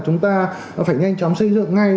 chúng ta phải nhanh chóng xây dựng ngay